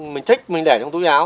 mình thích mình để trong túi áo